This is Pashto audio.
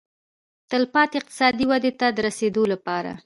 تلپاتې اقتصادي ودې ته د رسېدو لپاره.